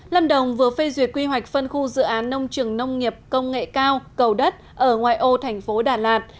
lâm đồng vừa phê duyệt quy hoạch phân khu dự án nông trường nông nghiệp công nghệ cao cầu đất ở ngoài ô thành phố đà lạt